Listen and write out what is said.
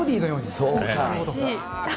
そうか。